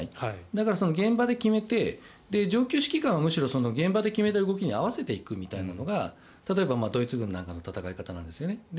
だから現場で決めて上級指揮官はむしろ、現場で決めた動きに合わせていくみたいなのがドイツ軍などの戦い方なんです。